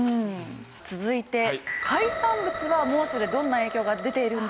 続いて海産物は猛暑でどんな影響が出ているんでしょうか？